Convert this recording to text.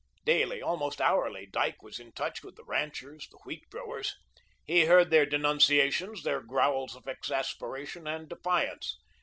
Daily, almost hourly, Dyke was in touch with the ranchers, the wheat growers. He heard their denunciations, their growls of exasperation and defiance.